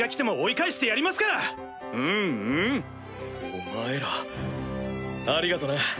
お前らありがとな。